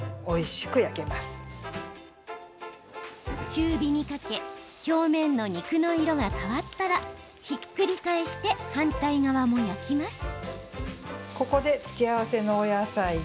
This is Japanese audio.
中火にかけ表面の肉の色が変わったらひっくり返して反対側も焼きます。